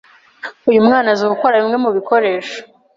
uyu mwana azi gukora bimwe mu bikoresho